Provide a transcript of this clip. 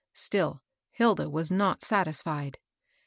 Still Hilda was not satisfied.